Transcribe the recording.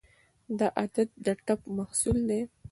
دا عادت د ټپ محصول دی.